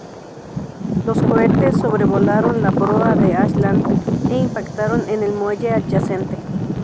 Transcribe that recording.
Los cohetes sobrevolaron la proa del "Ashland" e impactaron en el muelle adyacente.